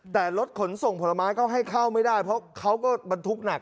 แต่รถขนส่งผลไม้ก็ให้เข้าไม่ได้เพราะเขาก็บรรทุกหนัก